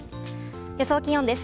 予想気温です。